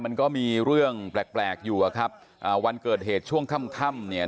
มันก็มีเรื่องแปลกแปลกอยู่อะครับอ่าวันเกิดเหตุช่วงค่ำค่ำเนี่ย